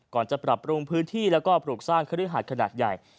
ก่อนจะปรับปรุงพื้นที่แล้วก็ปลูกสร้างเครื่องหาดขนาดใหญ่